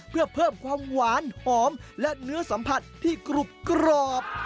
เพื่อเพิ่มความหวานหอมและเนื้อสัมผัสที่กรุบกรอบ